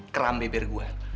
keram beber gue